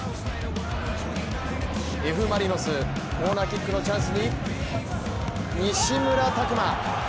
Ｆ・マリノス、コーナーキックのチャンスに西村拓真！